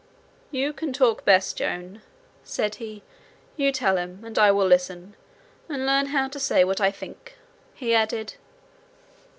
'You can talk best, Joan,' said he. 'You tell him, and I will listen and learn how to say what I think,' he added.